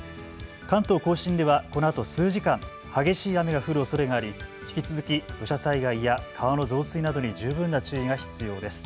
関東甲信ではこのあと数時間、激しい雨が降るおそれがあり引き続き土砂災害や川の増水などに十分な注意が必要です。